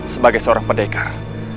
sebagai seorang pendekar